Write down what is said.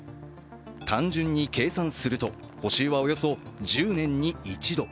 単純に計算すると、補修はおよそ１０年に一度。